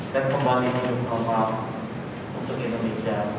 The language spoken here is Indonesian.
dan kembali ke rumah untuk indonesia